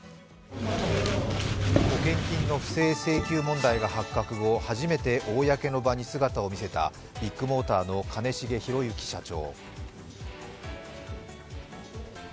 保険金の不正請求問題が発覚後、初めて公の場に姿を見せたビッグモーターの兼重宏行社長。